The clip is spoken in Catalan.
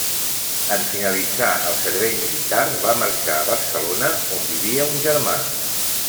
En finalitzar el servei militar va marxar a Barcelona, on vivia un germà.